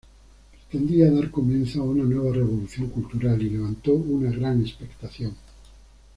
Pretendía dar comienzo a una nueva revolución cultural, y levantó una gran expectación.